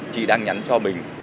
chị đang nhắn cho mình